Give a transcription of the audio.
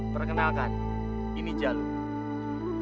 perkenalkan ini jalul